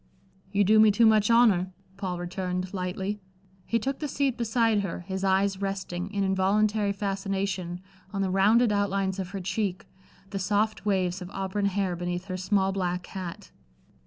"You do me too much honor," Paul returned, lightly. He took the seat beside her, his eyes resting, in involuntary fascination, on the rounded outlines of her cheek, the soft waves of auburn hair beneath her small black hat.